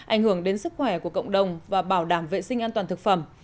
ảnh hưởng đến sức khỏe của cộng đồng và bảo đảm vệ sinh an toàn thực phẩm